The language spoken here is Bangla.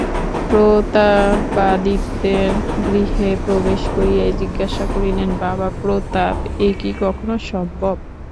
প্রতাপাদিত্যের গৃহে প্রবেশ করিয়াই জিজ্ঞাসা করিলেন, বাবা প্রতাপ, এ কি কখনো সম্ভব?